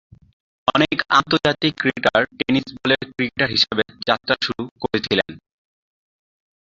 অনেক আন্তর্জাতিক cricketer tennis বলের ক্রিকেটার হিসাবে যাত্রা শুরু করেছিলেন।